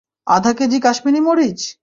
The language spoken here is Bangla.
আধা কেজি কাশ্মীরি মরিচ?